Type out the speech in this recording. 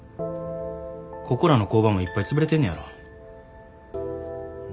ここらの工場もいっぱい潰れてんねやろ？